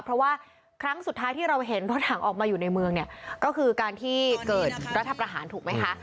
เพราะว่าครั้งสุดท้ายที่เราเห็นรถถังออกมาอยู่ในเมืองเนี่ยก็คือการที่เกิดรัฐประหารถูกไหมคะ